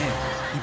今］